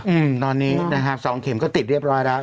อืมตอนนี้นะฮะสองเข็มก็ติดเรียบร้อยแล้ว